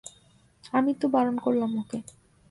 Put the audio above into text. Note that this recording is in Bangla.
আমিই তো বারণ করলাম ওকে।